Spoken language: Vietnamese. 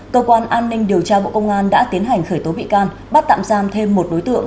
cơ quan an ninh điều tra bộ công an đã tiến hành khởi tố bị can bắt tạm giam thêm một đối tượng